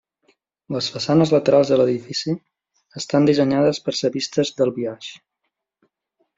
Les façanes laterals de l'edifici estan dissenyades per ser vistes del biaix.